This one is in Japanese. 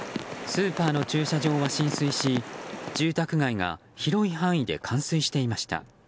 スーパーの駐車場は浸水し住宅街が広い範囲で冠水していました。